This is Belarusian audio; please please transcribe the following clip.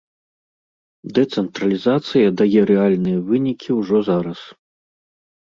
Дэцэнтралізацыя дае рэальныя вынікі ўжо зараз.